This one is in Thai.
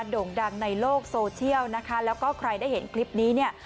โด่งดังในโลกโซเชียลนะคะแล้วก็ใครได้เห็นคลิปนี้เนี่ย